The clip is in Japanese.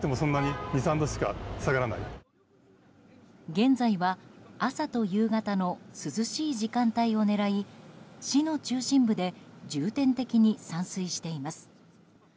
現在は、朝と夕方の涼しい時間帯を狙い市の中心部で重点的に散水しています。